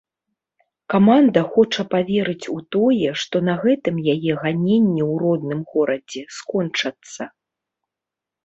Каманда хоча паверыць у тое, што на гэтым яе ганенні ў родным горадзе скончацца.